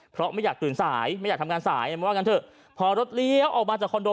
เพราะไม่อยากตื่นสายไม่อยากทำงานสายว่างั้นเถอะพอรถเลี้ยวออกมาจากคอนโด